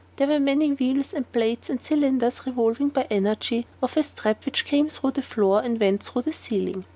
Here were many wheels and plates and cylinders revolving by energy of a strap which came through the floor and went through the ceiling.